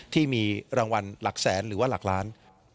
ที่มีรางวัลหลักแสนหรือว่าหลักล้าน